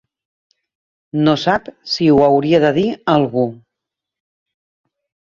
No sap si ho hauria de dir a algú.